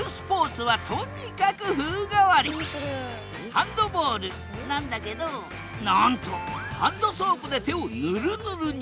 ハンドボールなんだけどなんとハンドソープで手をヌルヌルに！